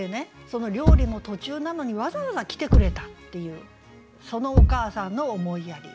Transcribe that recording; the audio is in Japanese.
その料理の途中なのにわざわざ来てくれたっていうそのお母さんの思いやり。